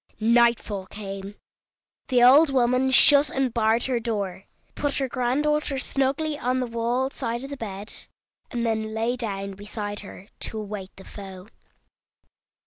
Nightfall came; the old woman shut and barred her door, put her granddaughter snugly on the wall side of the bed, and then lay down beside her, to await the foe.